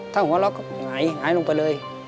ถ้าหัวเราะก็หงายลงไปเลย